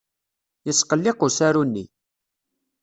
Yesqelliq usaru-nni.